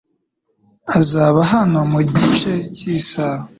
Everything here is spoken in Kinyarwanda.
Azaba hano mu gice cy'isaha .